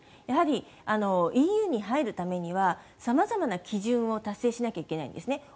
やはりＥＵに入るためには様々な基準を達成しなきゃいけないんですね。